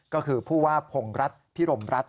ก็คือผู้ว่าพงรัฐพิรมรัฐ